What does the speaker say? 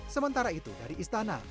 sementara itu dari istana